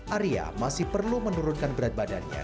arya masih perlu menurunkan berat badannya